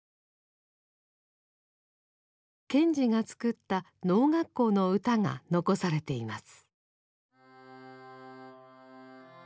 賢治が作った農学校の歌が残されています。